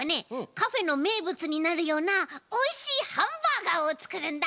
カフェのめいぶつになるようなおいしいハンバーガーをつくるんだ！